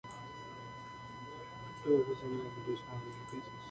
Two of his sons were British Army officers.